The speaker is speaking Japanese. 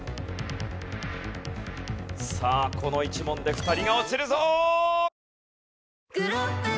さあこの１問で２人が落ちるぞ！